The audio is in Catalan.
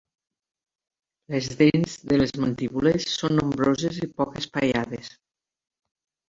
Les dents de les mandíbules són nombroses i poc espaiades.